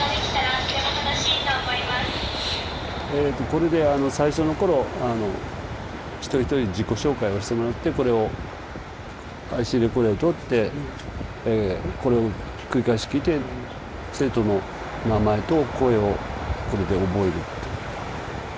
これで最初のころ一人一人自己紹介をしてもらってこれをＩＣレコーダーでとってこれを繰り返し聞いて生徒の名前と声をこれで覚えるっていうことが。